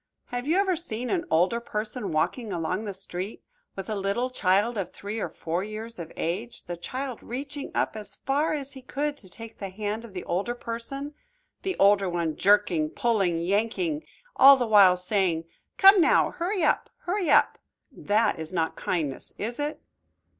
Have you ever seen an older person walking along the street with a little child of three or four years of age, the child reaching up as far as he could to take the hand of the older person, the older one jerking, pulling, yanking, all the while saying, "Come now, hurry up, hurry up." That is not kindness, is it?